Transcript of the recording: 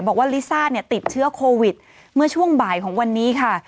ลิซ่าเนี่ยติดเชื้อโควิดเมื่อช่วงบ่ายของวันนี้ค่ะ